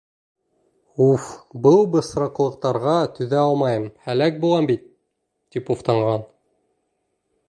— Уф, был бысраҡлыҡтарға түҙә алмайым, һәләк булам бит, — тип уфтанған.